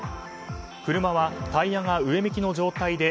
車は、タイヤが上向きの状態で